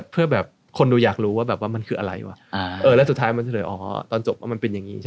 เพื่อคนดูอยากรู้ว่ามันคืออะไรและต่อสุดท้ายมันถูกเติบว่ามันเป็นอย่างงี้